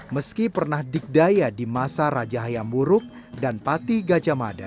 meski pernah dikdaya di masa raja hayam buruk dan pati gajah mada